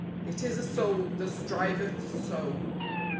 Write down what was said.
" (It is a Soul that striveth so.)